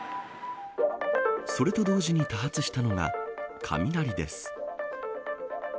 それと同時に多発したのが雷です。